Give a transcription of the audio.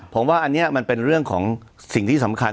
ผมว่าอันนี้มันเป็นเรื่องของสิ่งที่สำคัญ